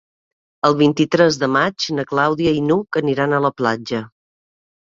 El vint-i-tres de maig na Clàudia i n'Hug aniran a la platja.